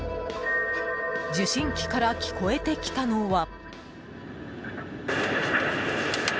受信機から聞こえてきたのは。